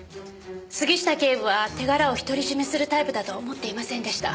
杉下警部は手柄を独り占めするタイプだとは思っていませんでした。